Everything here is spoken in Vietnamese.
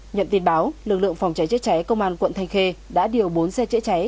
nhận tin báo lực lượng phòng cháy chữa cháy công an quận thanh khê đã điều bốn xe chữa cháy